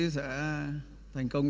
sẽ thành công